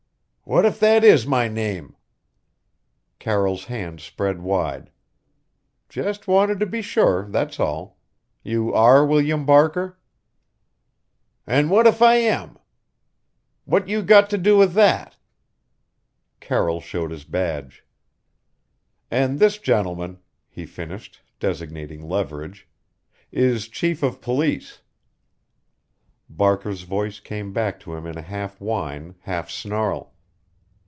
"What if that is my name?" Carroll's hands spread wide. "Just wanted to be sure, that's all. You are William Barker?" "An' what if I am? What you got to do with that?" Carroll showed his badge. "And this gentleman," he finished, designating Leverage, "is chief of police." Barker's voice came back to him in a half whine, half snarl.